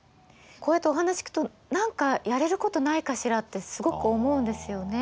こうやってお話聞くと何かやれることないかしらってすごく思うんですよね。